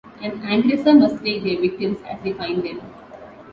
An aggressor must take their victims as they find them.